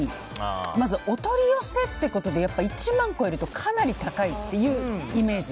まずお取り寄せってことで１万を超えるとかなり高いっていうイメージ。